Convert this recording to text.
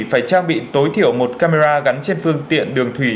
phải trang bị tối thiểu một camera gắn trên phương tiện đường thủy